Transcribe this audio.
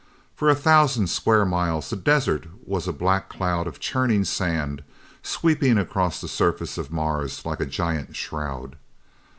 For a thousand square miles the desert was a black cloud of churning sand, sweeping across the surface of Mars like a giant shroud.